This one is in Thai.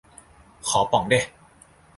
ขอป๋องดิ